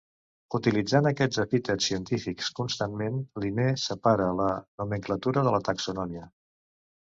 Utilitzant aquests epítets científics constantment, Linné separà la nomenclatura de la taxonomia.